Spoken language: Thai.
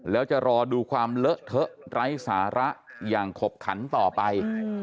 แล้วจะรอดูความเลอะเทอะไร้สาระอย่างขบขันต่อไป